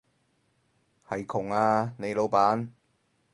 係窮啊，你老闆